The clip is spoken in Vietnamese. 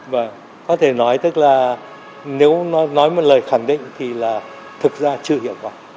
vâng có thể nói tức là nếu nói một lời khẳng định thì là thực ra chưa hiệu quả